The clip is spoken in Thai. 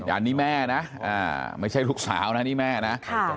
อันนี้แม่นะไม่ใช่ลูกสาวนะนี่แม่นะ